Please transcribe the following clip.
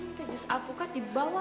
ante jus alpukat dibawah